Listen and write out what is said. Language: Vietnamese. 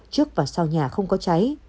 trước và sau nhà không có cháy